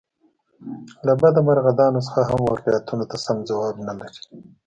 له بده مرغه دا نسخه هم واقعیتونو ته سم ځواب نه لري.